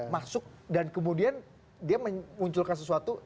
masuk dan kemudian dia memunculkan sesuatu